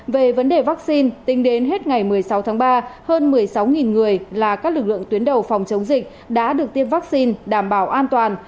về vấn đề vaccine tính đến hết ngày một mươi sáu tháng ba hơn một mươi sáu người là các lực lượng tuyến đầu phòng chống dịch đã được tiêm vaccine đảm bảo an toàn